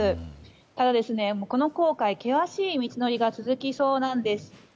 ただこの航海、険しい道のりが続きそうなんです。